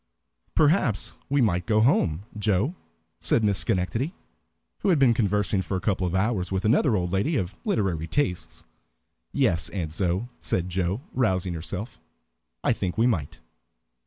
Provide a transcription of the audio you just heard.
"Perhaps we might go home, Joe," said Miss Schenectady, who had been conversing for a couple of hours with another old lady of literary tastes. "Yes, Aunt Zoë," said Joe, rousing herself, "I think we might."